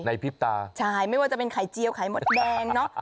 พริบตาใช่ไม่ว่าจะเป็นไข่เจียวไข่มดแดงเนอะ